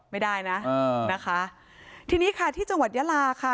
ไม่ได้นะนะคะทีนี้ค่ะที่จังหวัดยาลาค่ะ